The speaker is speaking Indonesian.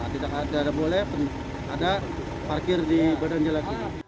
tidak ada boleh ada parkir di badan jalan